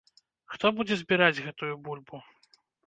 Хто будзе збіраць гэтую бульбу?